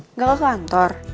enggak ke kantor